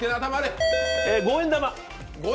五円玉。